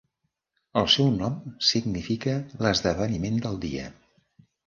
El seu nom significa "l'esdeveniment del dia".